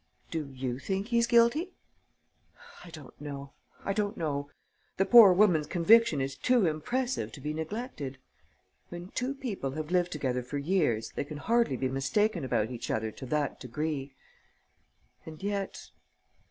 "Do you think he's guilty?" "I don't know.... I don't know.... The poor woman's conviction is too impressive to be neglected. When two people have lived together for years, they can hardly be mistaken about each other to that degree. And yet...."